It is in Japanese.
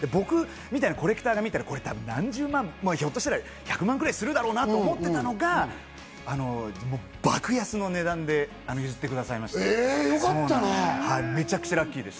これコレクターが見たら、３０万、１００万くらいするんだろうなって思ってたのが、爆安の値段で譲ってくださいまして、めちゃくちゃラッキーでした。